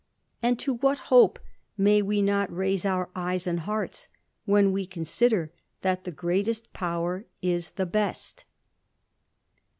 and to what hope may we not raise our and hearts, when we consider that the greatest Power tiie BEST?